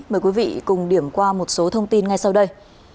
mời quý vị cùng điểm qua một số thông tin ngay sau đây